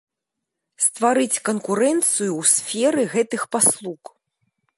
Стварыць канкурэнцыю ў сферы гэтых паслуг.